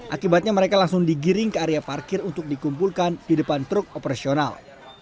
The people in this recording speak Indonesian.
akibatnya mereka langsung digiring ke area parkir untuk dikumpulkan di depan truk operasional